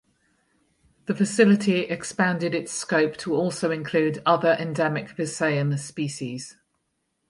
The facility expanded its scope to also include other endemic Visayan species.